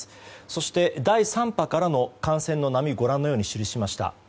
そして、第３波からの感染の波をご覧のように記しました。